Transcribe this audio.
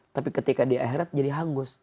tapi ketika di akhirat jadi hangus